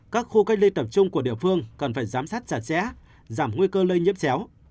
các khu cách ly tập trung của địa phương cần phải giám sát chặt chẽ giảm nguy cơ lây nhiễm chéo